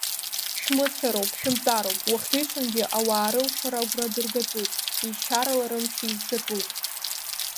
Шәмыцәароуп, шәымтәароуп уахгьы-ҽынгьы, ауаа рылшара агәра дыргатәуп, ешьарала рымч еизгатәуп.